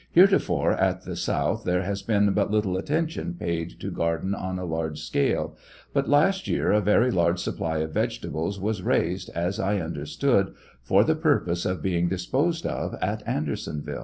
Heretofore at the south there has been but little attention paid to gardens on a large scale ; but last year a very large supply of vegetables was raised, as I understood, for the purpose of being disposed o| at Andersonville.